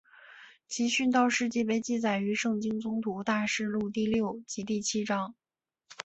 其殉道事迹被记载于圣经宗徒大事录第六及第七章。